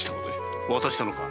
渡したのか？